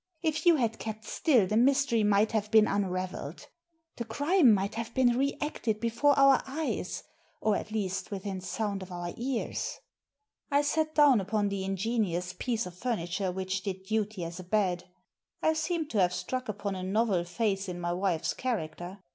If you had kept still the mystery might have been unravelled. The crime might have been re acted before our eyes, or at least within sound of our ears." I sat down upon the ingenious piece of furniture which did duty as a bed. I seemed to have struck T Digitized by VjOOQIC 274 THE SEEN AND THE UNSEEN upon a novel phase in my wife's character.